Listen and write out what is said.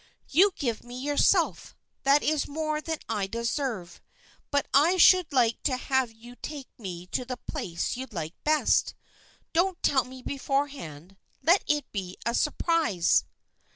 "You give me yourself, that is more than I deserve. But I should like to have you take me to the place you like best. Don't tell me beforehand, let it be a surprise."